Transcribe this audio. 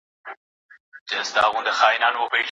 ما مخکي ښوونځي ته تللی و.